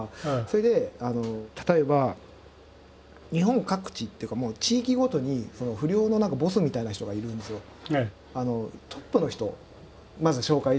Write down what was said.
それで例えば日本各地っていうか地域ごとに不良のボスみたいな人がいるんですよ。